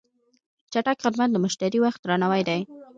چټک خدمت د مشتری وخت درناوی دی.